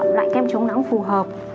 đừng chọn loại kem chống nắng phù hợp